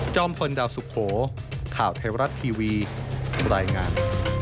พลดาวสุโขข่าวเทวรัฐทีวีรายงาน